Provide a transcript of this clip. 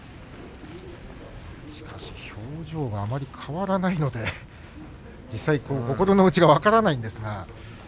しかし、表情があまり変わらないので実際、心の内が分からないんですが。